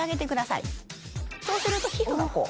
そうすると皮膚がこう。